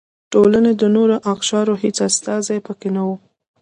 ټولنې د نورو اقشارو هېڅ استازي پکې نه و.